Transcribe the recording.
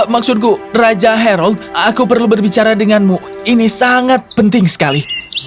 maksudku raja harold aku perlu berbicara denganmu ini sangat penting sekali